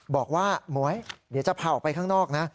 บอกว่าหมวยเดี๋ยวจะพาออกไปข้างนอกนะ